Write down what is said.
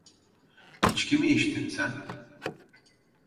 İçki mi içtin sen?